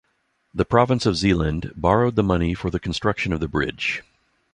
The province of Zeeland borrowed the money for the construction of the bridge.